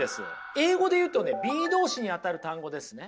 英語で言うとねｂｅ動詞にあたる単語ですね。